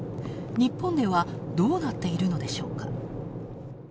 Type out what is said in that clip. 日本では、どうなっているのでしょうか。